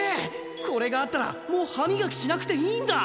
これがあったらもう歯みがきしなくていいんだ！